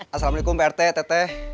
assalamualaikum prt teteh